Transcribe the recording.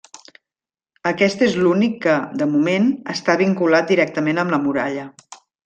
Aquest és l'únic que, de moment, està vinculat directament amb la muralla.